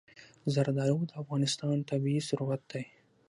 زردالو د افغانستان طبعي ثروت دی.